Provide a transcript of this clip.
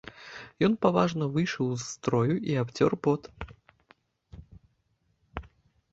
Ён паважна выйшаў з строю і абцёр пот.